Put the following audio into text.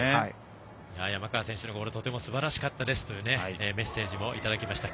山川選手のゴールすばらしかったですというメッセージもいただきました。